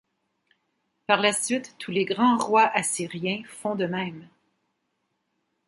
Par la suite, tous les grands rois assyriens font de même.